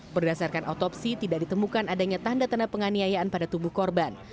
berdasarkan otopsi tidak ditemukan adanya tanda tanda penganiayaan pada tubuh korban